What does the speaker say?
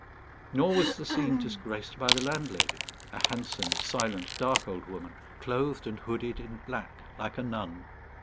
Nor was the scene disgraced by the landlady, a handsome, silent, dark old woman, clothed and hooded in black like a nun.